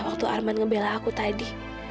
waktu arman ngebela aku tadi